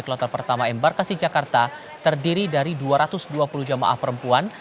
kloter pertama embarkasi jakarta terdiri dari dua ratus dua puluh jemaah perempuan